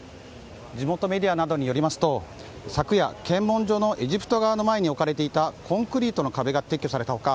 地元メディアなどによりますと昨夜、検問所のエジプト側の前に置かれていたコンクリートの壁が撤去された他